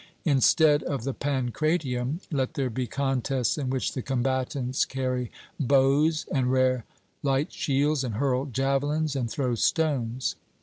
Instead of the pancratium, let there be contests in which the combatants carry bows and wear light shields and hurl javelins and throw stones.